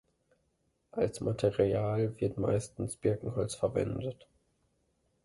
Als Material wird meistens Birkenholz verwendet.